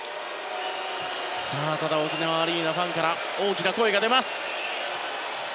ただ沖縄アリーナファンから大きな声が出ます。